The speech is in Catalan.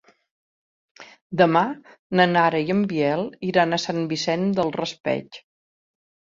Demà na Nara i en Biel iran a Sant Vicent del Raspeig.